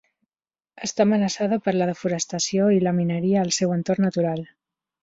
Està amenaçada per la desforestació i la mineria al seu entorn natural.